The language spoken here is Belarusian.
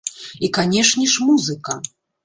І, канешне ж, музыка.